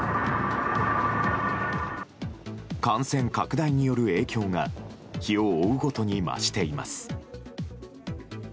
感染拡大による影響が日を追うごとに増しています。